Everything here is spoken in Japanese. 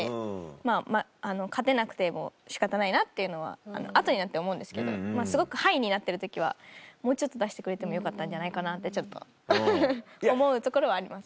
まぁまぁ勝てなくても仕方ないなっていうのは後になって思うんですけどまぁすごくハイになってる時はもうちょっと出してくれてもよかったんじゃないかなってちょっと思うところはあります。